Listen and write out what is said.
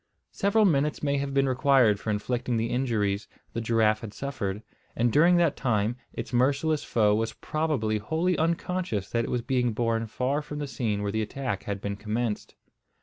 Several minutes may have been required for inflicting the injuries the giraffe had suffered, and during that time its merciless foe was probably wholly unconscious that it was being borne far from the scene where the attack had been commenced.